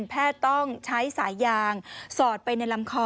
แพทย์ต้องใช้สายยางสอดไปในลำคอ